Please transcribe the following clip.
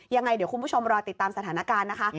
ยังไงเดี๋ยวคุณผู้ชมรอติดตามสถานการณ์นะคะ